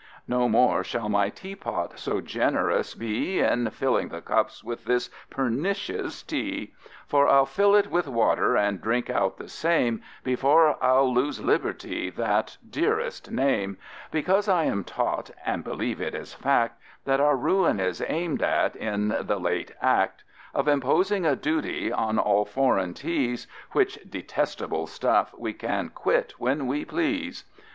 No more shall my teapot so generous be In filling the cups with this pernicious tea, For I'll fill it with water and drink out the same, Before I'll lose LIBERTY that dearest name, Because I am taught (and believe it is fact) That our ruin is aimed at in the late act, Of imposing a duty on all foreign Teas, Which detestable stuff we can quit when we please.